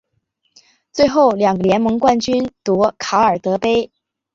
最后两个联盟冠军夺考尔德杯。